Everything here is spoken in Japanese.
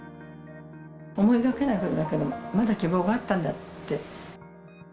思いがけないことだけど、まだ希望があったんだって。